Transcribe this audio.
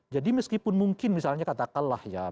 jadi meskipun mungkin misalnya katakanlah ya